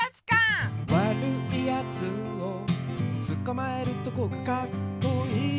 「わるいやつをつかまえるとこがカッコイイ」